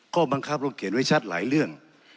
ข้อบังคับเราเขียนไว้ชัดหลายเรื่อง